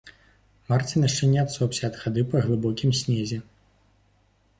Марцін яшчэ не адсопся ад хады па глыбокім снезе.